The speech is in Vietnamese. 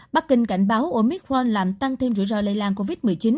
bắc kinh cảnh báo omicron làm tăng thêm rủi ro lây lan covid một mươi chín